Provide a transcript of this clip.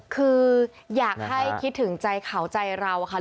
คืออยากให้คิดถึงใจเขาใจเราค่ะ